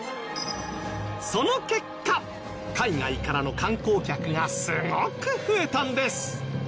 その結果海外からの観光客がすごく増えたんです